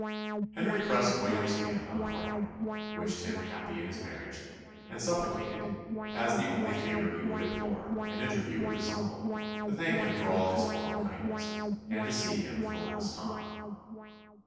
Henry pressed William's hand on parting, wished him happy in his marriage, and supplicated, as the only favour he would implore, an interview with his uncle, to thank him for all his former kindness, and to see him for the last time.